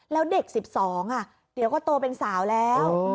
แล้วเด็ก๑๒เดี๋ยวก็โตเป็นสาวแล้ว